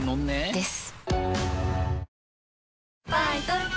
です。